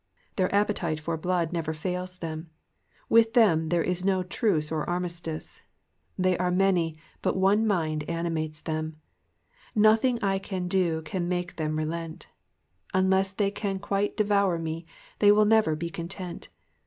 Their appetite for blood never fails them. With them there is no truce or armistice. They are many, Digitized by VjOOQIC PSALM THE MFTT SIXTH. 37 but one mind animates them. Nothing I can do can make them relent. Unless they can quite devour me they will never be content.